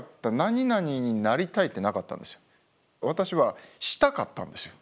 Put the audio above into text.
私はしたかったんですよ。